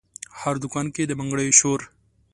هر دکان کې د بنګړیو شور،